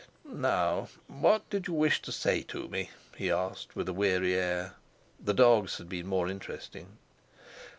"Now, what did you wish to say to me?" he asked, with a weary air. The dogs had been more interesting.